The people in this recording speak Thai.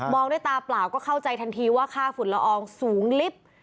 องด้วยตาเปล่าก็เข้าใจทันทีว่าค่าฝุ่นละอองสูงลิฟต์